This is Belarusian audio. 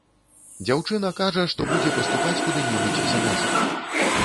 Дзяўчына кажа, што будзе паступаць куды-небудзь за мяжу.